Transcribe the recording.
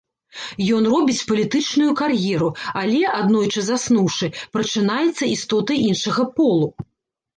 Ен робіць палітычную кар'еру, але, аднойчы заснуўшы, прачынаецца істотай іншага полу.